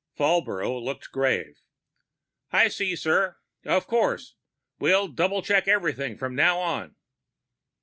Falbrough looked grave. "I see, sir. Of course. We'll double check everything from now on."